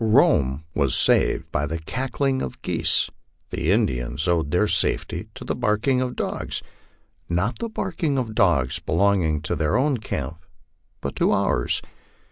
Home was saved by the cackling of geese : the Indians owed MY LIFE ON THE PLAINS. 235 their safety to the barking of dogs not the barking of dogs belonging to their own camp, but to ours.